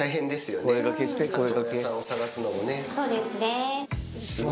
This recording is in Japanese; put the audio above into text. そうですね。